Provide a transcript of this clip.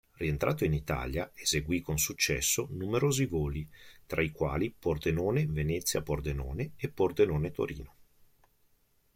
Rientrato in Italia eseguì, con successo, numerosi voli, tra i quali Pordenone-Venezia-Pordenone e Pordenone-Torino.